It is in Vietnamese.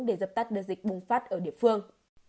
để dập tắt đưa dịch bùng phát ở địa phương